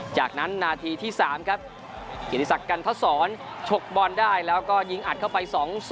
จากนั้นนาทีที่๓ครับเกียรติศักดิ์กันทศรฉกบอลได้แล้วก็ยิงอัดเข้าไป๒๐